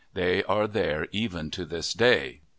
They are there even to this day.